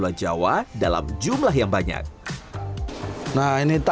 ketika berada di kota tempat produksi ini akan menyebabkan bahan baku yang lebih banyak